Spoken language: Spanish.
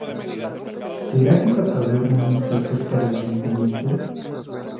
¿será que esta taberna no esta cerca del Ayuntamiento...?